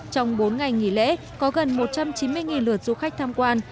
trong bốn ngày nghỉ lễ có gần một trăm chín mươi lượt du khách tham quan